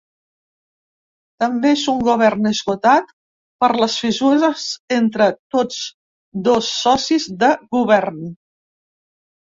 També és un govern esgotat per les fissures entre tots dos socis de govern.